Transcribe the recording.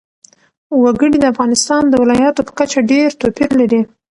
وګړي د افغانستان د ولایاتو په کچه ډېر توپیر لري.